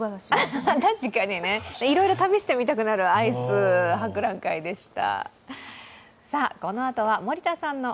いろいろ試したくなるアイス博覧会でした。